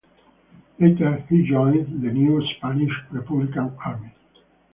Later he joined the new Spanish Republican Army.